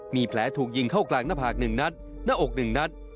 มีแผลถูกยิงเข้ากลางหน้าผากหนึ่งนัด